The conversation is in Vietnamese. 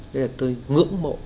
đây là tôi ngưỡng mộ anh thạch